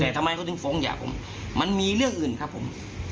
แต่ทำไมเขาถึงฟ้องหย่าผมมันมีเรื่องอื่นครับผม